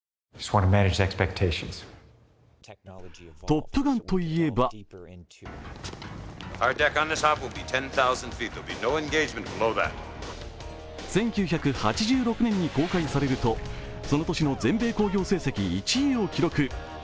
「トップガン」といえば１９８６年に公開されるとその年の全米興行成績１位を記録。